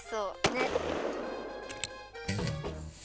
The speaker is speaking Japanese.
ねっ。